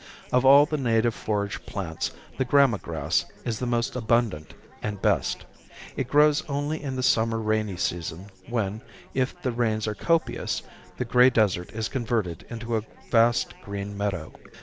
Of all the native forage plants the gramma grass is the most abundant and best. It grows only in the summer rainy season when, if the rains are copious, the gray desert is converted into a vast green meadow.